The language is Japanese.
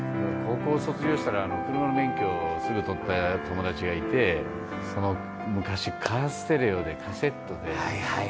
高校卒業したら車の免許をすぐ取った友達がいて、昔、カーステレオでカセットで。